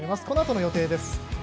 このあとの予定です。